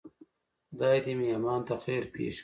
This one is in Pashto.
خدای دې مې ایمان ته خیر پېښ کړي.